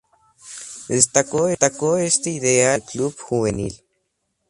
Destacó este ideal en el club juvenil.